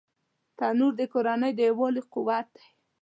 تنور د کورنۍ د یووالي قوت دی